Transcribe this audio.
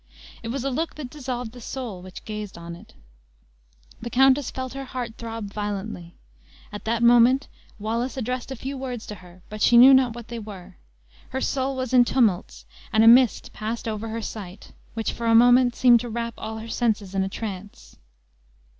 It was a look that dissolved the soul which gazed on it. The countess felt her heart throb violently. At that moment Wallace addressed a few words to her but she knew not what they were; her soul was in tumults, and a mist passed over her sight, which, for a moment, seemed to wrap all her senses in a trance.